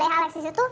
wilayah alex di situ